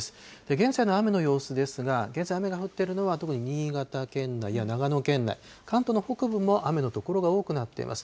現在の雨の様子ですが、現在、雨が降っているのは、特に新潟県内や長野県内、関東の北部も雨の所が多くなっています。